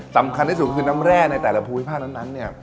สำคัญที่สุดคือน้ำแร่ในแต่ละภูมิภาคนั้นเนี่ย